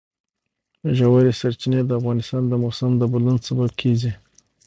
ژورې سرچینې د افغانستان د موسم د بدلون سبب کېږي.